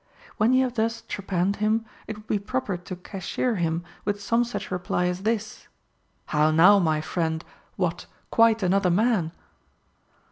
When you have thus trepanned him, it would be proper to cashier him with some such reply as this :— How now, my friend ! What, quite another man